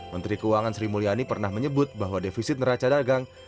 menteri keuangan sri mulyani pernah menyebut bahwa defisit neraca dagang